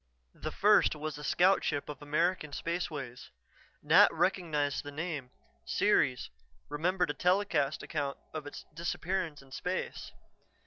The first was a scout ship of American Spaceways! Nat recognized the name: Ceres, remembered a telecast account of its disappearance in space.